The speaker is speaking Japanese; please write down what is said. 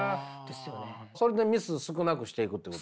それでミス少なくしていくってこと？